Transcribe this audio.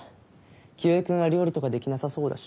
清居君は料理とかできなさそうだし。